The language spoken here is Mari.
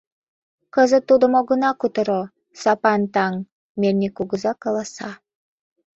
— Кызыт тудым огына кутыро, Сапан таҥ! — мельник кугыза каласа.